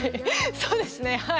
そうですねはい。